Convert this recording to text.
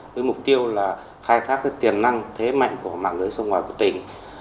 với mục tiêu là khai thác tiềm năng thế mạnh của mạng lưới sông ngoài của tỉnh